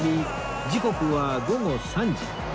時刻は午後３時